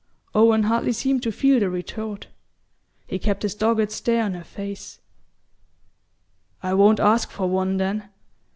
Owen hardly seemed to feel the retort: he kept his dogged stare on her face. "I won't ask for one, then.